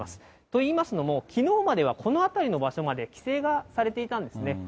といいますのも、きのうまではこの辺りの場所まで規制がされていたんですね。